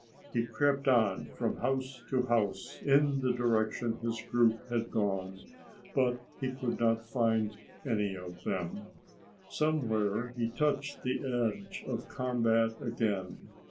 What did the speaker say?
He crept on from house to house in the direction his group had gone, but he could not find any of them. Somewhere he touched the edge of combat again.